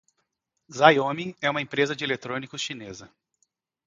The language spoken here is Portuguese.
Xiaomi é uma empresa de eletrônicos chinesa.